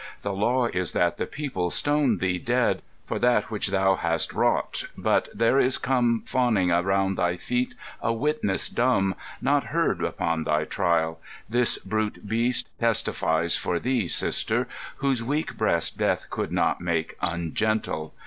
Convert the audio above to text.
"The law is that the people stone thee dead For that which thou hast wrought; but there is come Fawning around thy feet a witness dumb, Not heard upon thy trial; this brute beast Testifies for thee, sister! whose weak breast Death could not make ungentle.